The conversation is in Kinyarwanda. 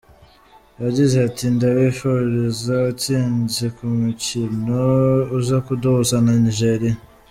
Yagize ati : "Ndabifuriza itsinzi ku mukino uza kuduhuza na Nigeria.